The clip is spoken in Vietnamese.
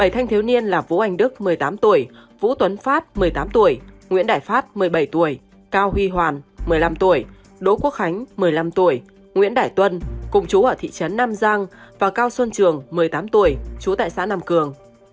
bảy thanh thiếu niên là vũ anh đức một mươi tám tuổi vũ tuấn phát một mươi tám tuổi nguyễn đại phát một mươi bảy tuổi cao huy hoàn một mươi năm tuổi đỗ quốc khánh một mươi năm tuổi nguyễn đại tuân cùng chú ở thị trấn nam giang và cao xuân trường một mươi tám tuổi chú tại xã nam cường